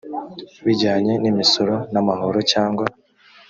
bijyanye n imisoro n amahoro cyangwa